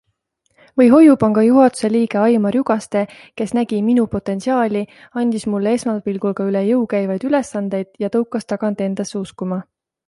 Või Hoiupanga juhatuse liige Aimar Jugaste, kes nägi minu potentsiaali, andis mulle esmapilgul ka üle jõu käivaid ülesandeid ja tõukas tagant endasse uskuma.